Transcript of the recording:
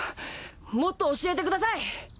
もっと教えてください！